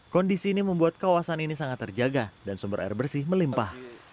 kondisi ini membuat kawasan ini sangat terjaga dan sumber air bersih melimpah